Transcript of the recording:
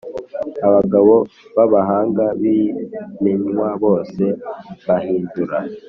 Abagabo b abahanga b ibimenywabose mbahindura